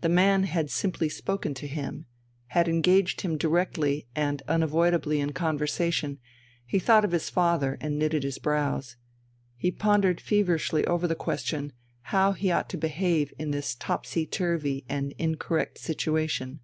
The man had simply spoken to him, had engaged him directly and unavoidably in conversation; he thought of his father and knitted his brows. He pondered feverishly over the question how he ought to behave in this topsy turvy and incorrect situation.